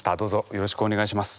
よろしくお願いします。